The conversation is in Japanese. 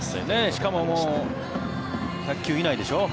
しかも１００球以内でしょ。